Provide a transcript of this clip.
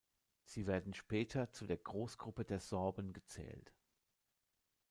Sie werden später zu der Großgruppe der Sorben gezählt.